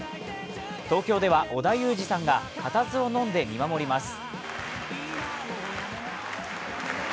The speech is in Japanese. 東京では織田裕二さんが固唾をのんで見守ります。